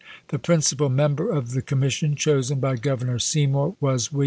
The principal member of the commis sion, chosen by Governor Seymour, was Wm.